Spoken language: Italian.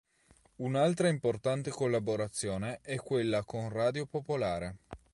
Un'altra importante collaborazione è quella con Radio Popolare.